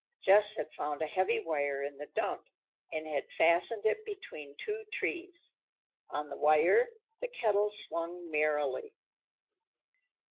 Jess had found a heavy wire in the dump, and had fastened it between two trees. On the wire the kettle swung merrily.